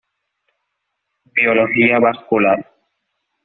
Biología vascular.